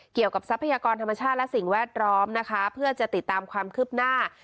ทรัพยากรธรรมชาติและสิ่งแวดล้อมนะคะเพื่อจะติดตามความคืบหน้า